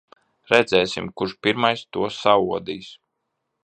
Redzēsim, kurš pirmais to saodīs.